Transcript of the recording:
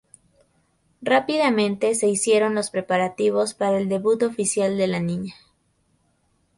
Rápidamente se hicieron los preparativos para el debut oficial de la niña.